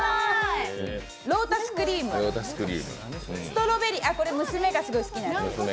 ロータスクリーム、ストロベリー、これ娘がすごい好きなやつ。